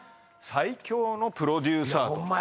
最強のプロデューサーホンマ